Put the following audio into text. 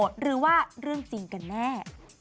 หรือว่าเรื่องจริงกันแน่